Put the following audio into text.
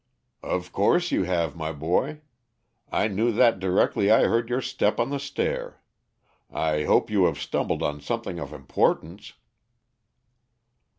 "Of course you have, my boy. I knew that directly I heard your step on the stair. I hope you have stumbled on something of importance."